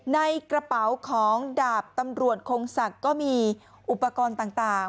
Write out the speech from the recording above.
ในกระเป๋าของดาบตำรวจคงศักดิ์ก็มีอุปกรณ์ต่าง